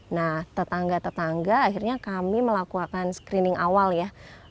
nah tetangga tetangga akhirnya kami melakukan screening awal ya